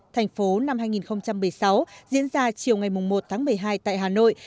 thành phố năm hai nghìn một mươi sáu diễn ra chiều ngày một tháng một mươi hai tại hà nội